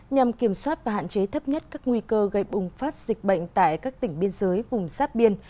nhằm kiểm soát và hạn chế thấp nhất các nguy cơ gây bùng phát dịch bệnh tại các tỉnh biên giới vùng sáp biên